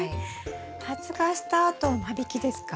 発芽したあと間引きですか？